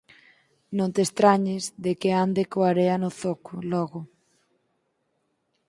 Non te estrañes de que ande coa area no zoco, logo.